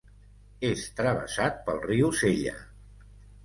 És travessat pel riu Sella.